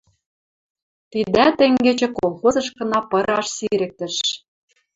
Тидӓт тенгечӹ колхозышкына пыраш сирӹктӹш.